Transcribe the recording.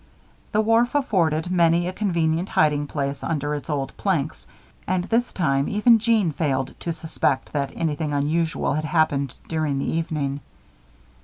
The wharf afforded many a convenient hiding place under its old planks; and this time, even Jeanne failed to suspect that anything unusual had happened during the evening.